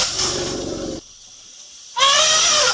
ติดต่อไปแล้ว